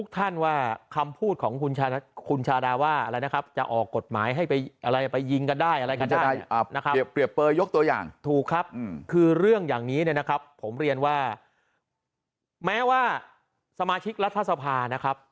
ตอนนี้เนี้ยนะครับผมเรียนว่าแม้ว่าสมาชิกรัฐสภานะครับ